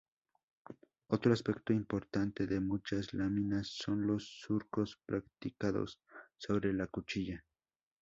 Otro aspecto importante de muchas láminas son los surcos practicados sobre la cuchilla.